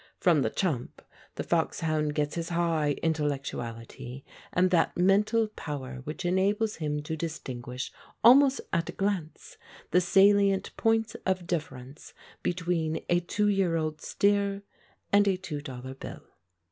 From the chump the foxhound gets his high intellectuality and that mental power which enables him to distinguish almost at a glance the salient points of difference between a two year old steer and a two dollar bill.